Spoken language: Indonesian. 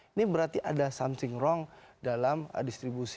ini berarti ada something wrong dalam distribusi